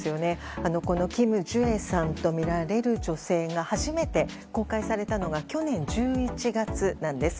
キム・ジュエさんとみられる女性が初めて公開されたのが去年１１月なんです。